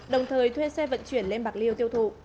đồng thời thuê xe vận chuyển lên bạc liêu tiêu thụ